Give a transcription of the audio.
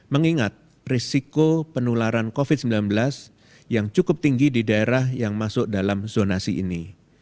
mengingat risiko penularan covid sembilan belas yang cukup tinggi di daerah yang masuk dalam zonasi ini